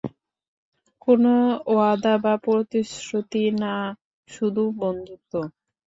কোনো ওয়াদা বা প্রতিশ্রুতি না, শুধু বন্ধুত্ব।